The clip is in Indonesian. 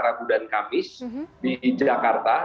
rabu dan kamis di jakarta